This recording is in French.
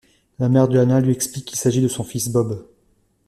La mère de Hanna lui explique qu'il s'agit de son fils Bob.